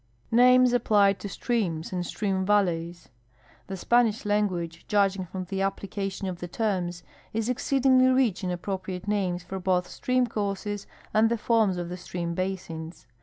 NAMES APPLIED TO STREAMS AND STREAM VALLEYS The Spanish language, judging from the application of the terms, is exceedingly rich in appropriate names for both stream courses and the forms of the stream basins.